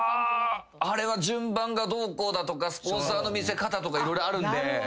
あれは順番がどうこうだとかスポンサーの見せ方とか色々あるんで。